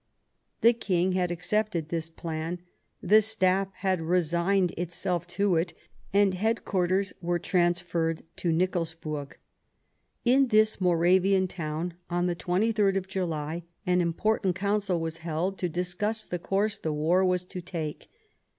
The King had accepted this plan ; the Staff had resigned itself to it, and headquarters were trans ferred to Nikolsburg. In this Moravian town, on the 23rd of July, an important Council was held to discuss the course the war was to take.